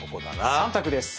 ３択です。